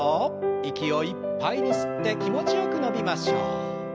息をいっぱいに吸って気持ちよく伸びましょう。